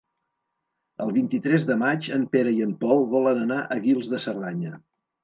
El vint-i-tres de maig en Pere i en Pol volen anar a Guils de Cerdanya.